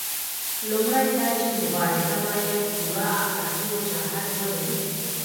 لومړی دا چې مبارزه باید پوره اخلاقي وجاهت ولري.